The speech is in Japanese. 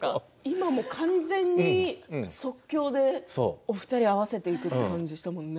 今も完全に即興で２人合わせていく感じでしたものね。